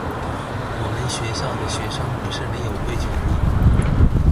我們學校的學生不是沒有規矩而已